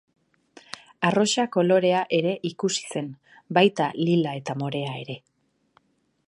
Arrosa kolorea ere ikusi zen, baita lila eta morea ere.